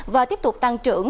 và tiếp tục tăng trưởng